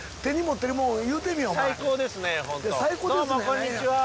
「こんにちは」